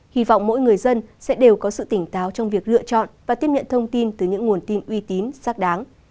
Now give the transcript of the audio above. hy vọng mỗi người dân sẽ đều có sự tỉnh táo trong việc lựa chọn và tiếp nhận thông tin từ những nguồn tin uy tín xác đáng